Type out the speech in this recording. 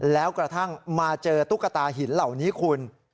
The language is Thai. แล้วกระทั่งมาเจอตุ๊กตาหินเหล่านี้คุณ